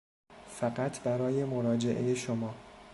فقط برای مراجعه شما